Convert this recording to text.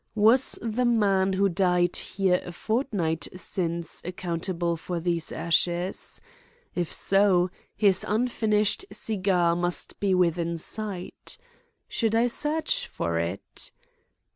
Was the man who died here a fortnight since accountable for these ashes? If so, his unfinished cigar must be within sight. Should I search for it?